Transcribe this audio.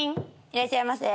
いらっしゃいませ。